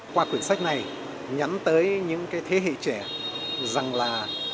qua cuốn sách này nhắn tới những cái thế hệ trẻ rằng là